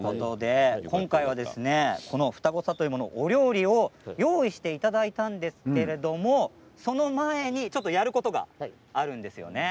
今日は、二子さといものお料理を用意していただいたんですけれどその前にやることがあるんですよね。